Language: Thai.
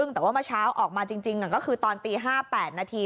แต่ว่าเมื่อเช้าออกมาจริงก็คือตอนตี๕๘นาที